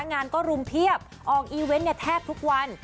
งานก็รุมเพียบออกอีเวนต์เนี่ยแทบทุกวัน